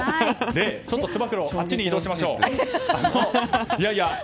ちょっと、つば九郎あっちに移動しようね。